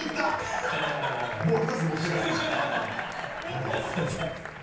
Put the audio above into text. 何か好きなものを。